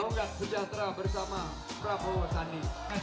mau enggak sejahtera bersama prabowo sandi